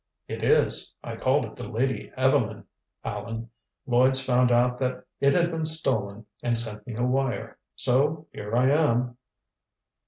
"It is. I called it the Lady Evelyn, Allan. Lloyds found out that it had been stolen and sent me a wire. So here I am."